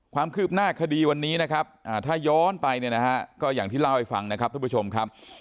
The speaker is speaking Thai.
ความคืบหน้าคดีวันนี้นะครับถ้าย้อนไปเนี่ยนะฮะก็อย่างที่เล่าให้ฟังนะครับท่านผู้ชมครับ